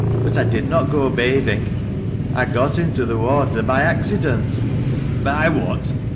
"But I did not go bathing; I got into the water by accident." "By what?